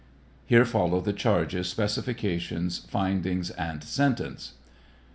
[Here follow the charges, specifications, findings, and sentence.] II.